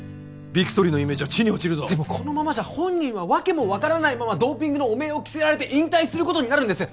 ビクトリーのイメージは地に落ちるぞでもこのままじゃ本人は訳も分からないままドーピングの汚名を着せられて引退することになるんです